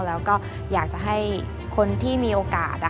แล้วก็อยากจะให้คนที่มีโอกาส